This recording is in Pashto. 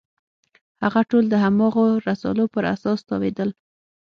هغه ټول د هماغو رسالو پر اساس تاویلېدل.